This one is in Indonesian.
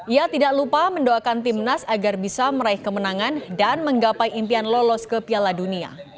ia tidak lupa mendoakan timnas agar bisa meraih kemenangan dan menggapai impian lolos ke piala dunia